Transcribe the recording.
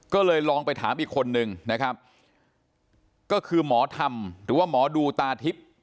ก็เลยลองไปถามอีกคนนึงนะครับก็คือหมอธรรมหรือว่าหมอดูตาทิพย์